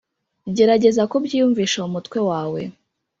Gerageza kubyiyumvisha Mu mutwe wawe